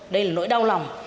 đây là nỗi đau lòng